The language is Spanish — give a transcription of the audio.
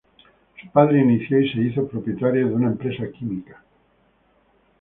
Su padre inició y se hizo propietario de una empresa química.